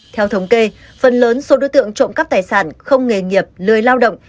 theo thống kê phần lớn số đối tượng trộm cắp tài sản không nghề nghiệp lười lao động